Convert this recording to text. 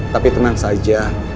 tapi tenang saja